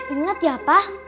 ingat ya pak